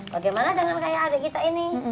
bagaimana dengan kayak adik kita ini